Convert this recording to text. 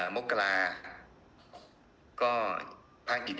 มกราก็ภาคกิจ